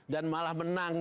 dan malah menang